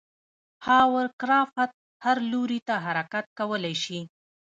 هاورکرافت هر لوري ته حرکت کولی شي.